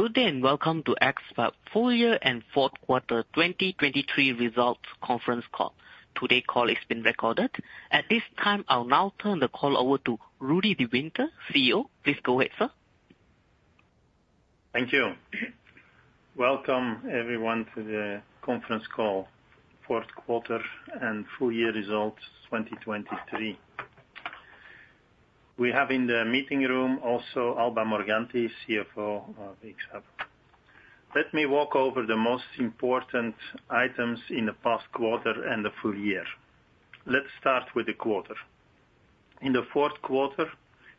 Good day and welcome to X-FAB Full Year and Fourth Quarter 2023 Results Conference Call. Today's call is being recorded. At this time, I'll now turn the call over to Rudi De Winter, CEO. Please go ahead, sir. Thank you. Welcome, everyone, to the conference call, Fourth Quarter and Full Year Results 2023. We have in the meeting room also Alba Morganti, CFO of X-FAB. Let me walk over the most important items in the past quarter and the full year. Let's start with the quarter. In the Fourth Quarter,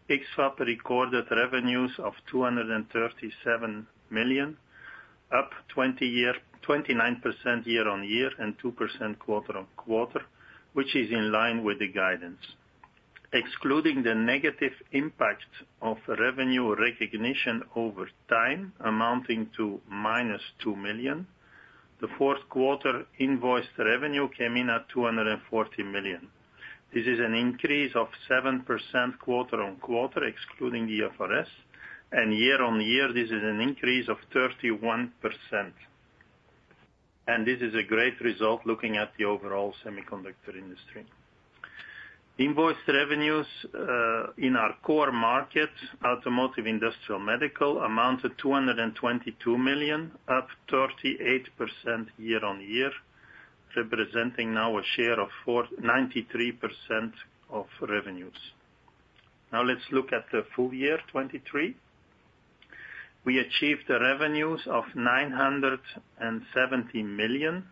X-FAB recorded revenues of 237 million, up 29% year-on-year and 2% quarter-on-quarter, which is in line with the guidance. Excluding the negative impact of revenue recognition over time, amounting to minus 2 million, the Fourth Quarter invoice revenue came in at 240 million. This is an increase of 7% quarter-on-quarter, excluding the IFRS, and year-on-year this is an increase of 31%. And this is a great result looking at the overall semiconductor industry. Invoice revenues, in our core market, automotive industrial medical, amounted to 222 million, up 38% year-on-year, representing now a share of 93% of revenues. Now let's look at the full year, 2023. We achieved revenues of 970 million,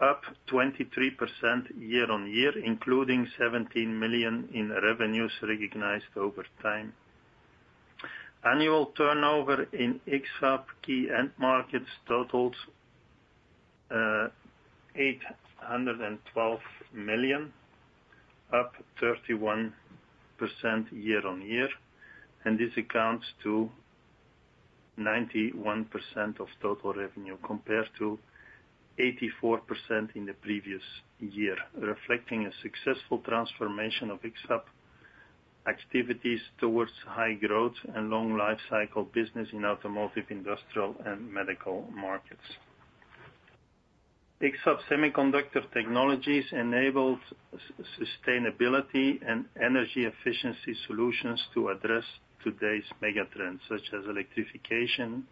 up 23% year-on-year, including 17 million in revenues recognized over time. Annual turnover in X-FAB key end markets totaled EUR 812 million, up 31% year-on-year, and this accounts to 91% of total revenue compared to 84% in the previous year, reflecting a successful transformation of X-FAB activities towards high-growth and long-life cycle business in automotive industrial and medical markets. X-FAB semiconductor technologies enabled sustainability and energy efficiency solutions to address today's megatrends, such as electrification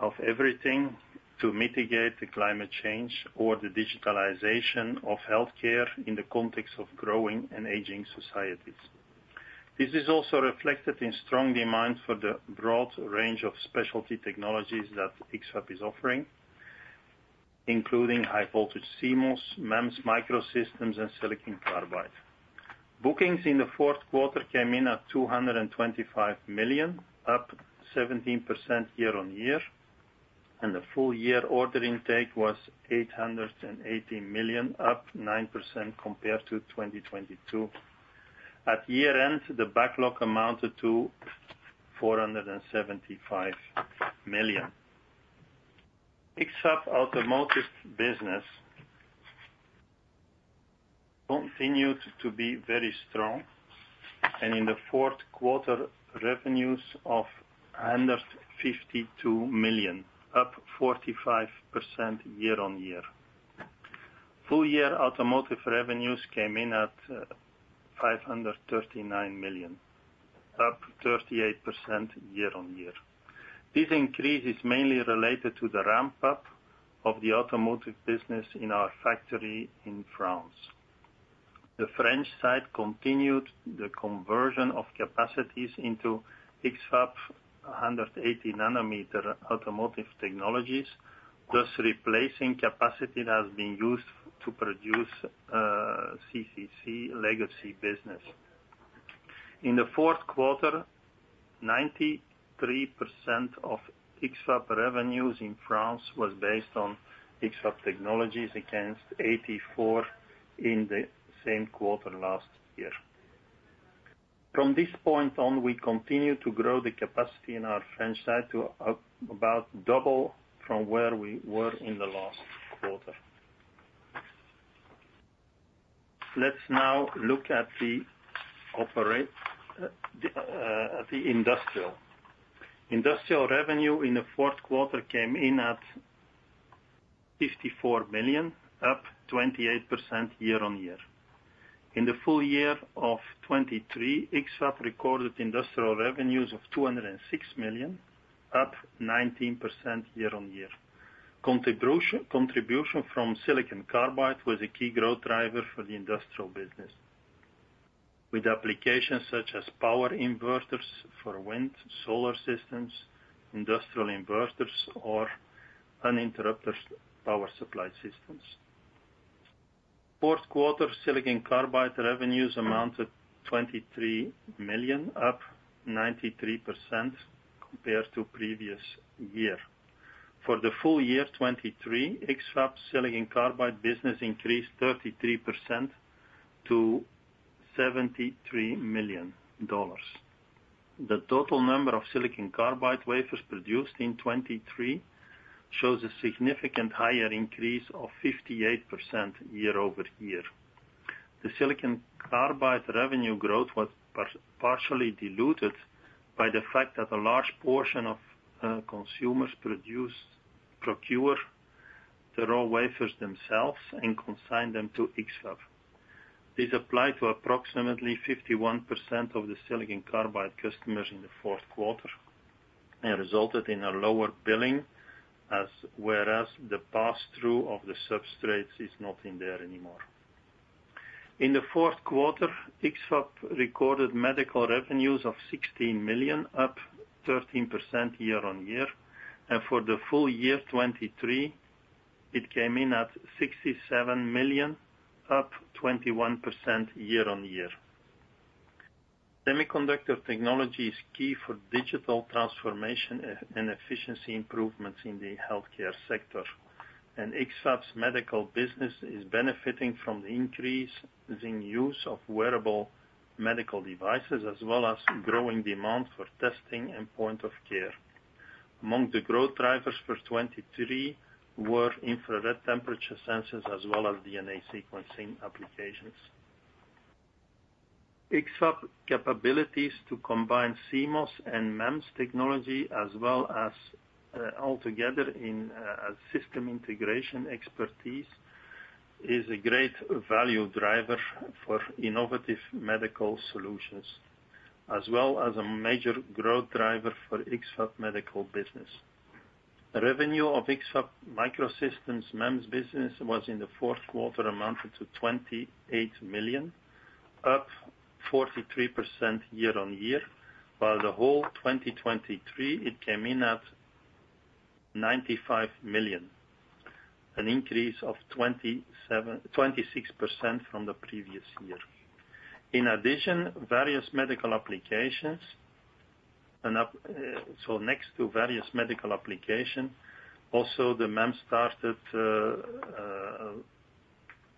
of everything to mitigate climate change or the digitalization of healthcare in the context of growing and aging societies. This is also reflected in strong demand for the broad range of specialty technologies that X-FAB is offering, including high-voltage CMOS, MEMS microsystems, and silicon carbide. Bookings in the fourth quarter came in at 225 million, up 17% year-on-year, and the full year order intake was 818 million, up 9% compared to 2022. At year-end, the backlog amounted to 475 million. X-FAB automotive business continued to be very strong, and in the fourth quarter, revenues of 152 million, up 45% year-on-year. Full year automotive revenues came in at 539 million, up 38% year-on-year. This increase is mainly related to the ramp-up of the automotive business in our factory in France. The French site continued the conversion of capacities into X-FAB 180 nm automotive technologies, thus replacing capacity that has been used to produce BCD legacy business. In the Fourth Quarter, 93% of X-FAB revenues in France was based on X-FAB technologies, against 84% in the same quarter last year. From this point on, we continue to grow the capacity in our French site to about double from where we were in the last quarter. Let's now look at the industrial. Industrial revenue in the Fourth Quarter came in at 54 million, up 28% year-on-year. In the full year of 2023, X-FAB recorded industrial revenues of 206 million, up 19% year-on-year. Contribution from silicon carbide was a key growth driver for the industrial business, with applications such as power inverters for wind, solar systems, industrial inverters, or uninterruptible power supply systems. Fourth Quarter silicon carbide revenues amounted to 23 million, up 93% compared to previous year. For the full year 2023, X-FAB silicon carbide business increased 33% to $73 million. The total number of silicon carbide wafers produced in 2023 shows a significant higher increase of 58% year-over-year. The silicon carbide revenue growth was partially diluted by the fact that a large portion of customers procure the raw wafers themselves and consign them to X-FAB. This applied to approximately 51% of the silicon carbide customers in the Fourth Quarter and resulted in a lower billing, whereas the pass-through of the substrates is not in there anymore. In the Fourth Quarter, X-FAB recorded medical revenues of $16 million, up 13% year-over-year, and for the full year 2023, it came in at $67 million, up 21% year-over-year. Semiconductor technology is key for digital transformation and efficiency improvements in the healthcare sector, and X-FAB's medical business is benefiting from the increasing use of wearable medical devices as well as growing demand for testing and point-of-care. Among the growth drivers for 2023 were infrared temperature sensors as well as DNA sequencing applications. X-FAB capabilities to combine CMOS and MEMS technology as well as system integration expertise is a great value driver for innovative medical solutions, as well as a major growth driver for X-FAB medical business. Revenue of X-FAB microsystems MEMS business was in the Fourth Quarter amounted to 28 million, up 43% year-on-year, while the whole 2023 it came in at 95 million, an increase of 26% from the previous year. In addition, various medical applications are up, so next to various medical applications, also the MEMS started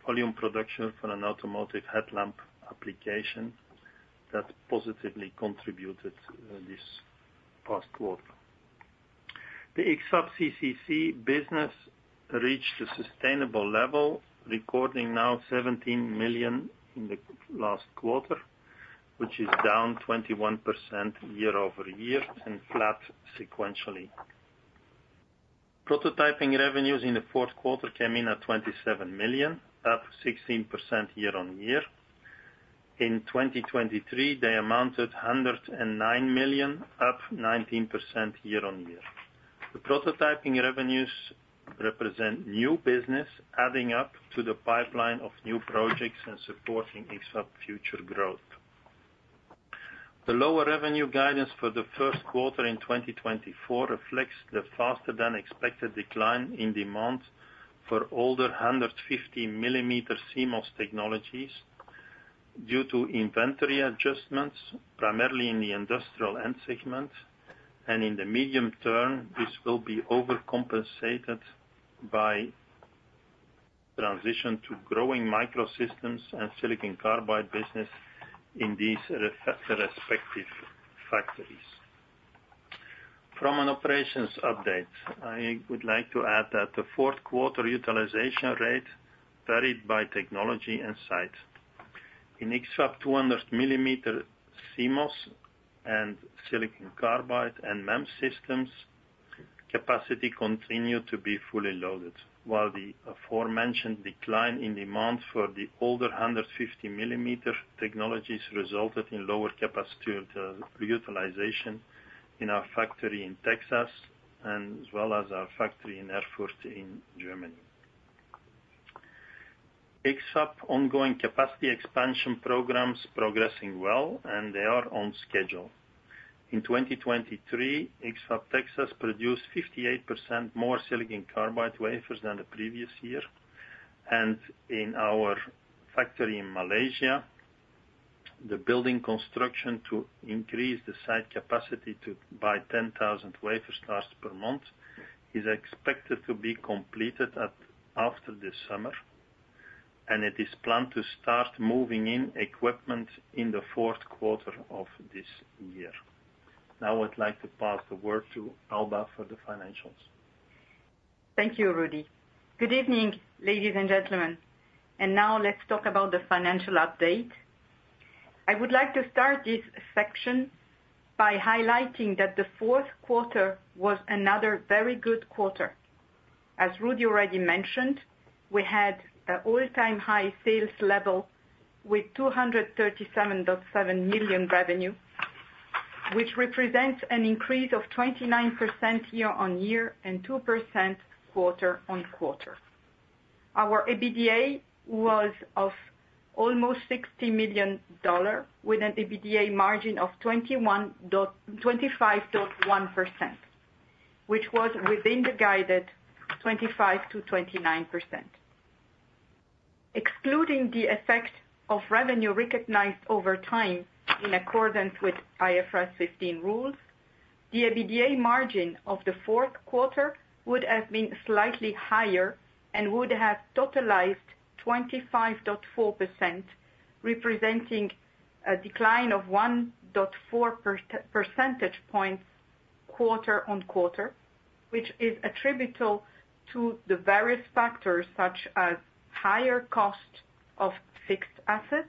volume production for an automotive headlamp application that positively contributed this past quarter. The X-FAB CCC business reached a sustainable level, recording now 17 million in the last quarter, which is down 21% year-over-year and flat sequentially. Prototyping revenues in the Fourth Quarter came in at 27 million, up 16% year-over-year. In 2023, they amounted to 109 million, up 19% year-over-year. The prototyping revenues represent new business, adding up to the pipeline of new projects and supporting X-FAB future growth. The lower revenue guidance for the First Quarter in 2024 reflects the faster-than-expected decline in demand for older 150 mm CMOS technologies due to inventory adjustments, primarily in the industrial end segment, and in the medium term this will be overcompensated by transition to growing microsystems and silicon carbide business in these, the respective factories. From an operations update, I would like to add that the Fourth Quarter utilization rate varied by technology and site. In X-FAB 200 mm CMOS and silicon carbide and MEMS systems, capacity continued to be fully loaded, while the aforementioned decline in demand for the older 150 mm technologies resulted in lower capacity utilization in our factory in Texas and as well as our factory in Erfurt in Germany. X-FAB ongoing capacity expansion programs progressing well, and they are on schedule. In 2023, X-FAB Texas produced 58% more silicon carbide wafers than the previous year, and in our factory in Malaysia, the building construction to increase the site capacity by 10,000 wafer starts per month is expected to be completed after this summer, and it is planned to start moving in equipment in the fourth quarter of this year. Now I'd like to pass the word to Alba for the financials. Thank you, Rudi. Good evening, ladies, and gentlemen. Now let's talk about the financial update. I would like to start this section by highlighting that the Fourth Quarter was another very good quarter. As Rudi already mentioned, we had an all-time high sales level with 237.7 million revenue, which represents an increase of 29% year-on-year and 2% quarter-on-quarter. Our EBITDA was of almost $60 million with an EBITDA margin of 25.1%, which was within the guided 25%-29%. Excluding the effect of revenue recognized over time in accordance with IFRS 15 rules, the EBITDA margin of the Fourth Quarter would have been slightly higher and would have totalized 25.4%, representing a decline of 1.4 percentage points quarter-on-quarter, which is attributable to the various factors such as higher cost of fixed assets,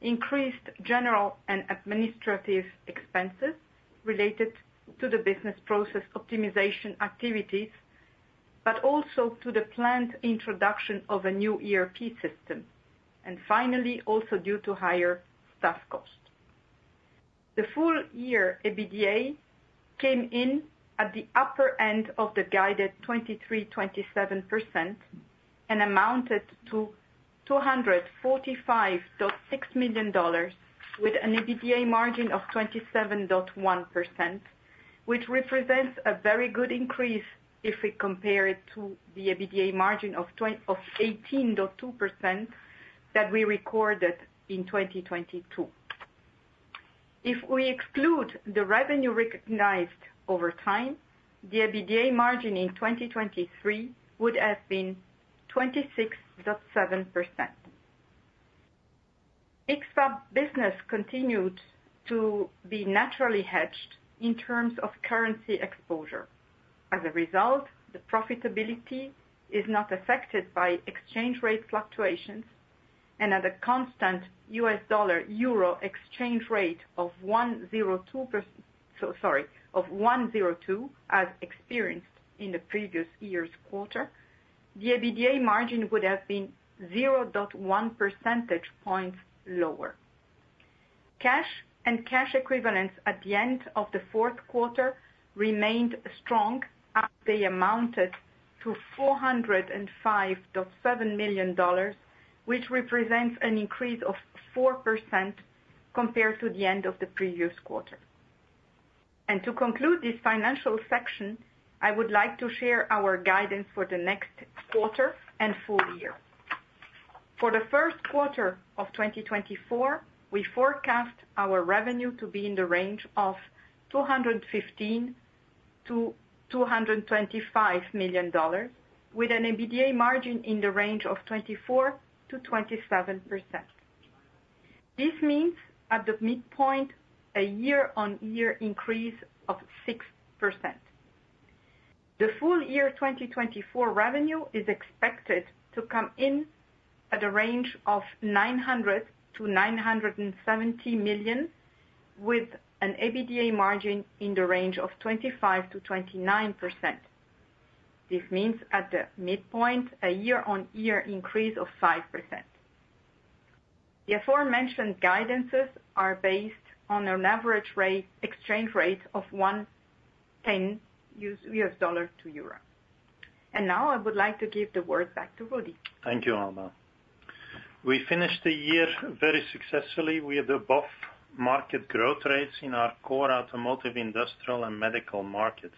increased general and administrative expenses related to the business process optimization activities, but also to the planned introduction of a new ERP system, and finally also due to higher staff cost. The full year EBITDA came in at the upper end of the guided 23.27% and amounted to $245.6 million with an EBITDA margin of 27.1%, which represents a very good increase if we compare it to the EBITDA margin of 2020 of 18.2% that we recorded in 2022. If we exclude the revenue recognized over time, the EBITDA margin in 2023 would have been 26.7%. X-FAB business continued to be naturally hedged in terms of currency exposure. As a result, the profitability is not affected by exchange rate fluctuations and at a constant U.S. dollar/EUR exchange rate of 1.02.. so, sorry, of 1.02 as experienced in the previous year's quarter, the EBITDA margin would have been 0.1 percentage points lower. Cash and cash equivalents at the end of the Fourth Quarter remained strong as they amounted to $405.7 million, which represents an increase of 4% compared to the end of the previous quarter. To conclude this financial section, I would like to share our guidance for the next quarter and full year. For the first quarter of 2024, we forecast our revenue to be in the range of $215 million-$225 million, with an EBITDA margin in the range of 24%-27%. This means at the midpoint, a year-on-year increase of 6%. The full year 2024 revenue is expected to come in at a range of $900 million-$970 million, with an EBITDA margin in the range of 25%-29%. This means at the midpoint, a year-on-year increase of 5%. The aforementioned guidances are based on an average exchange rate of 1.10 US dollar/EUR. Now I would like to give the word back to Rudi. Thank you, Alba. We finished the year very successfully with above market growth rates in our core automotive, industrial, and medical markets.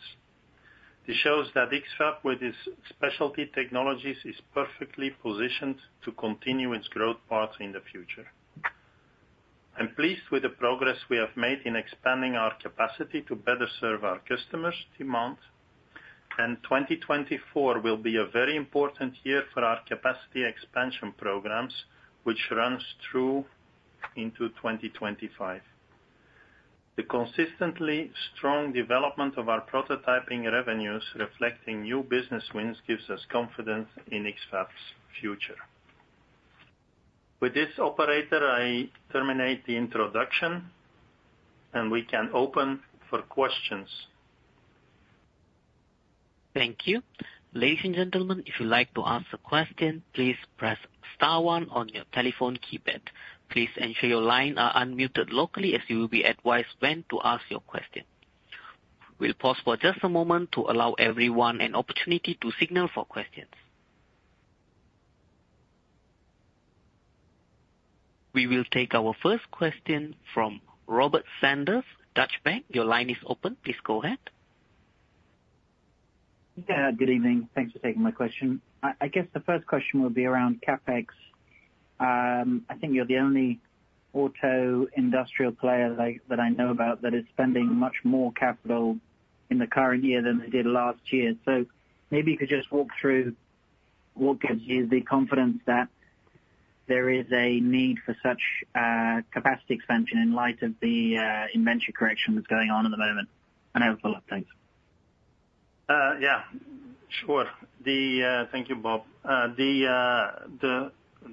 This shows that X-FAB, with its specialty technologies, is perfectly positioned to continue its growth path in the future. I'm pleased with the progress we have made in expanding our capacity to better serve our customers' demand, and 2024 will be a very important year for our capacity expansion programs, which runs through into 2025. The consistently strong development of our prototyping revenues reflecting new business wins gives us confidence in X-FAB's future. With this Operator, I terminate the introduction, and we can open for questions. Thank you. Ladies, and gentlemen, if you'd like to ask a question, please press star one on your telephone keypad. Please ensure your lines are unmuted locally as you will be advised when to ask your question. We'll pause for just a moment to allow everyone an opportunity to signal for questions. We will take our first question from Robert Sanders, Deutsche Bank. Your line is open. Please go ahead. Yeah, good evening. Thanks for taking my question. I guess the first question would be around CapEx. I think you're the only auto industrial player, like, that I know about that is spending much more capital in the current year than they did last year. So maybe you could just walk through what gives you the confidence that there is a need for such capacity expansion in light of the inventory correction that's going on at the moment. I have a follow-up. Thanks. Yeah. Sure. Thank you, Bob.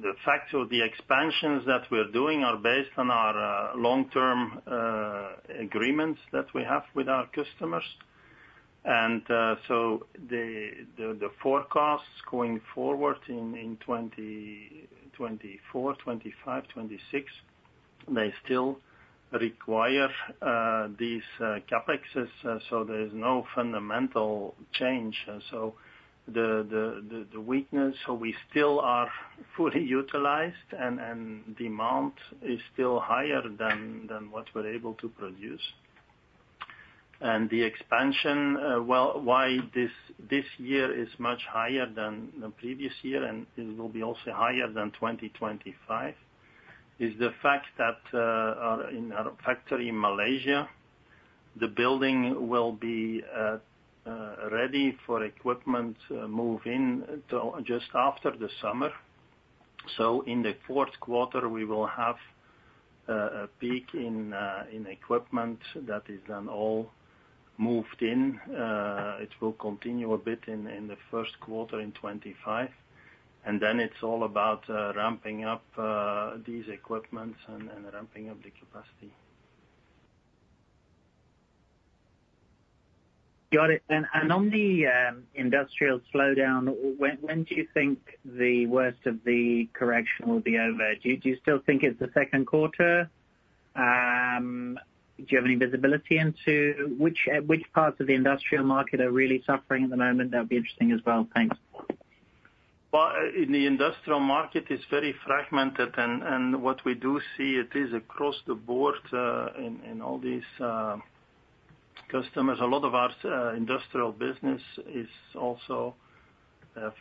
The fact of the expansions that we're doing are based on our long-term agreements that we have with our customers. And so the forecasts going forward in 2024, 2025, 2026, they still require these CapExes, so there's no fundamental change. And so the weakness so we still are fully utilized, and demand is still higher than what we're able to produce. And the expansion, well, why this year is much higher than the previous year and it will be also higher than 2025 is the fact that in our factory in Malaysia, the building will be ready for equipment move-in to just after the summer. So in the fourth quarter, we will have a peak in equipment that is then all moved in. It will continue a bit in the first quarter in 2025, and then it's all about ramping up these equipments and ramping up the capacity. Got it. And on the industrial slowdown, when do you think the worst of the correction will be over? Do you still think it's the second quarter? Do you have any visibility into which parts of the industrial market are really suffering at the moment? That would be interesting as well. Thanks. Well, in the industrial market is very fragmented, and what we do see it is across the board, in all these customers. A lot of our industrial business is also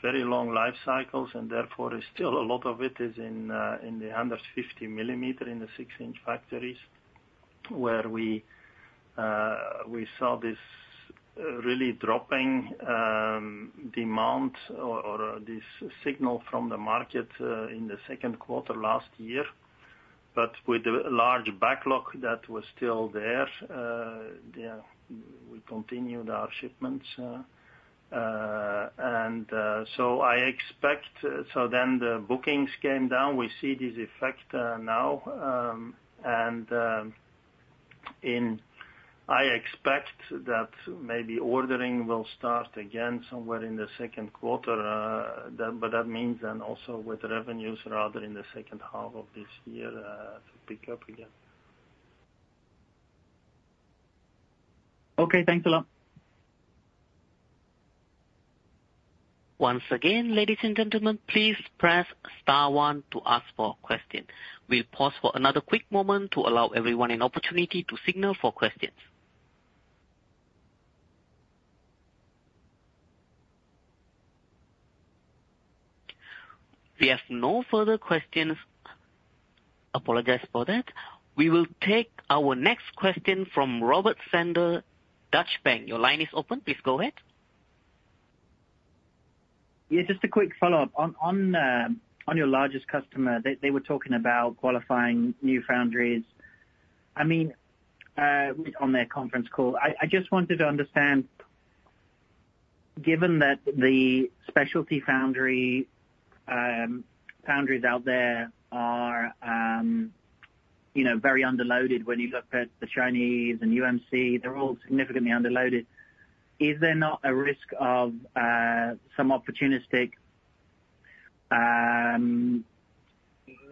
very long life cycles, and therefore is still a lot of it is in the 150 mm in the 6-inch factories where we saw this really dropping demand or this signal from the market, in the Second Quarter last year. But with the large backlog that was still there, yeah, we continued our shipments, and so I expect then the bookings came down. We see this effect now, and I expect that maybe ordering will start again somewhere in the Second Quarter. But that means then also with revenues rather in the Second Half of this year, to pick up again. Okay. Thanks a lot. Once again, ladies, and gentlemen, please press star one to ask for a question. We'll pause for another quick moment to allow everyone an opportunity to signal for questions. We have no further questions. Apologize for that. We will take our next question from Robert Sanders, Deutsche Bank. Your line is open. Please go ahead. Yeah, just a quick follow-up. On your largest customer, they were talking about qualifying new foundries. I mean, on their conference call, I just wanted to understand, given that the specialty foundries out there are, you know, very underloaded when you look at the Chinese and UMC, they're all significantly underloaded, is there not a risk of some opportunistic,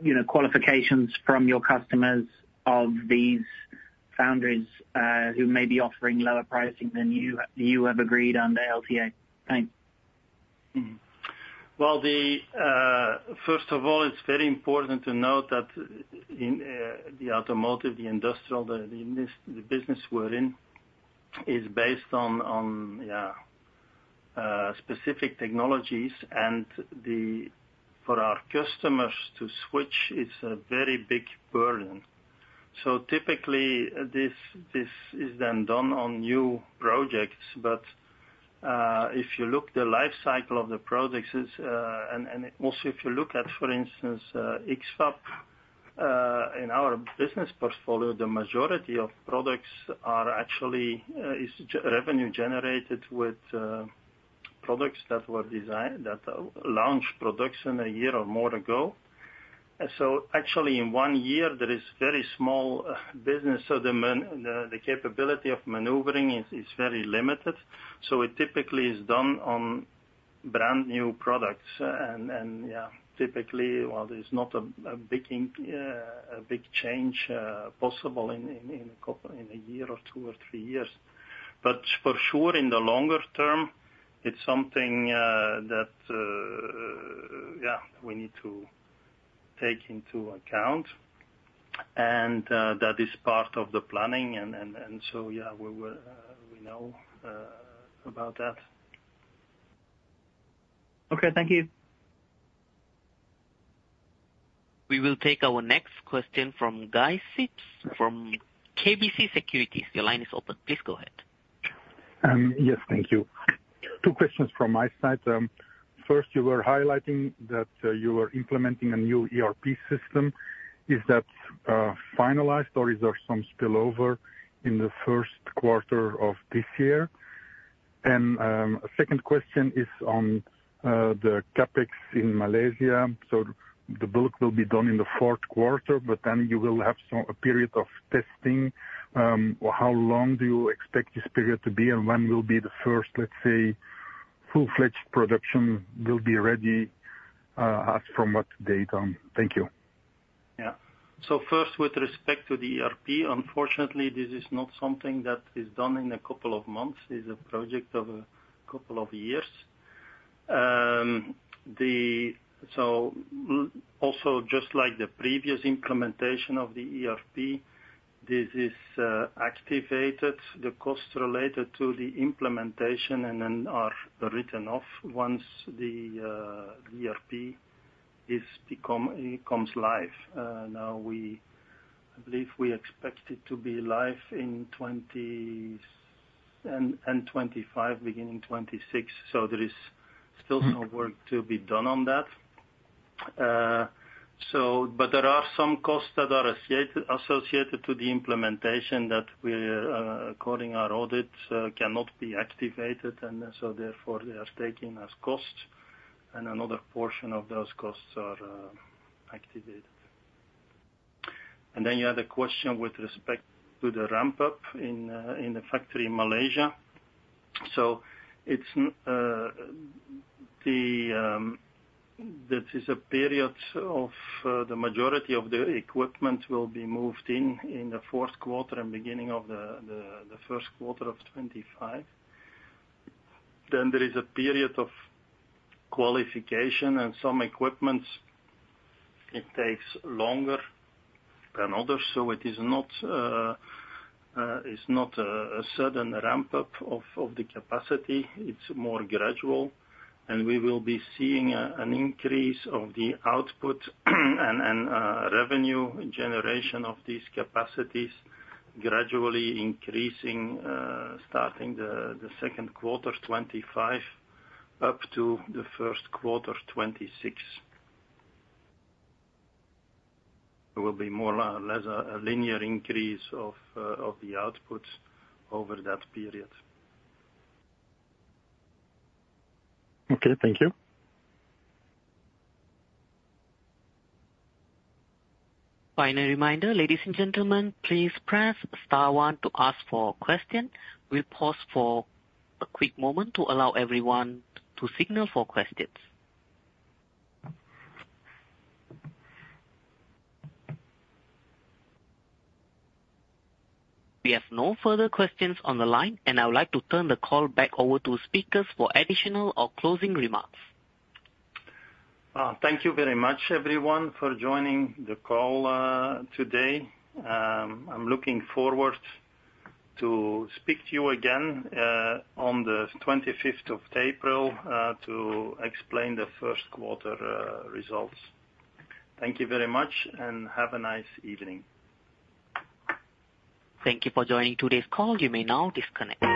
you know, qualifications from your customers of these foundries, who may be offering lower pricing than you have agreed under LTA? Thanks. Mm-hmm. Well, first of all, it's very important to note that in the automotive, the industrial, the business we're in is based on specific technologies, and for our customers to switch is a very big burden. So typically, this is then done on new projects, but if you look the life cycle of the projects is, and also if you look at, for instance, X-FAB, in our business portfolio, the majority of products are actually is the revenue generated with products that were designed that launched production a year or more ago. And so actually, in one year, there is very small business, so then the capability of maneuvering is very limited. So it typically is done on brand new products, and yeah, typically, well, there's not a big change possible in a couple in a year or two or three years. But for sure, in the longer term, it's something that, yeah, we need to take into account. And that is part of the planning, and so, yeah, we know about that. Okay. Thank you. We will take our next question from Guy Sips from KBC Securities. Your line is open. Please go ahead. Yes. Thank you. Two questions from my side. First, you were highlighting that you were implementing a new ERP system. Is that finalized, or is there some spillover in the first quarter of this year? A second question is on the CapEx in Malaysia. So the bulk will be done in the fourth quarter, but then you will have some period of testing. How long do you expect this period to be, and when will be the first, let's say, full-fledged production will be ready, as from what date? Thank you. Yeah. So first, with respect to the ERP, unfortunately, this is not something that is done in a couple of months. It's a project of a couple of years. So also just like the previous implementation of the ERP, this is activated. The costs related to the implementation and then are written off once the ERP becomes live. Now I believe we expect it to be live in 2025, beginning 2026. So there is still some work to be done on that. So but there are some costs that are associated to the implementation that we according to our audits cannot be activated, and so therefore they are taken as costs. And another portion of those costs are activated. And then you had a question with respect to the ramp-up in the factory in Malaysia. So it's in the, that is a period of, the majority of the equipment will be moved in, in the Fourth Quarter and beginning of the First Quarter of 2025. Then there is a period of qualification, and some equipment, it takes longer than others. So it is not, it's not a sudden ramp-up of the capacity. It's more gradual. And we will be seeing an increase of the output and revenue generation of these capacities gradually increasing, starting the Second Quarter 2025, up to the First Quarter 2026. There will be more or less a linear increase of the outputs over that period. Okay. Thank you. Final reminder, ladies, and gentlemen, please press star one to ask for a question. We'll pause for a quick moment to allow everyone to signal for questions. We have no further questions on the line, and I would like to turn the call back over to speakers for additional or closing remarks. Well, thank you very much, everyone, for joining the call today. I'm looking forward to speak to you again, on the 25th of April, to explain the First Quarter results. Thank you very much, and have a nice evening. Thank you for joining today's call. You may now disconnect.